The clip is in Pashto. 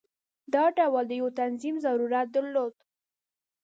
دا ټول د یو تنظیم ضرورت درلود.